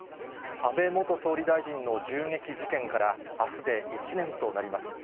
安倍元総理大臣の銃撃事件からあすで１年となります。